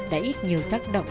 đã ít nhiều tác động